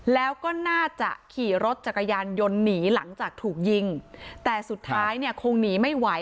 แล้วก็น่าจะขี่รถจักรยานยนต์หนีหลังจากถูกยิงแต่สุดท้ายเนี่ยคงหนีไม่ไหว